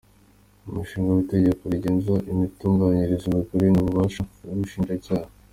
Umushinga w’Itegeko rigena imitunganyirize, imikorere n’ububasha bw’Ubushinjacyaha;.